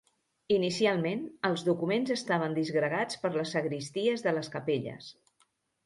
Inicialment els documents estaven disgregats per les sagristies de les capelles.